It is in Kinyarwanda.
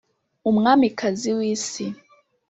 umwamikazi w'isi.